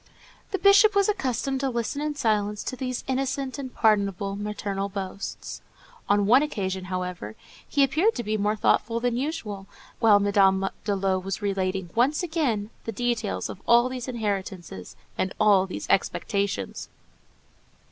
The Bishop was accustomed to listen in silence to these innocent and pardonable maternal boasts. On one occasion, however, he appeared to be more thoughtful than usual, while Madame de Lô was relating once again the details of all these inheritances and all these "expectations."